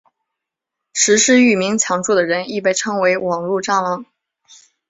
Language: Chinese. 实施域名抢注的人亦被称为网路蟑螂。